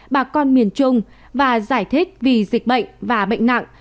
bà con miền trung và giải thích vì dịch bệnh và bệnh nặng